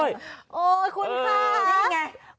โอ้โหคุณค่ะนี่ไง